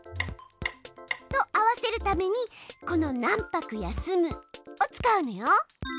と合わせるためにこの「何拍休む」を使うのよ。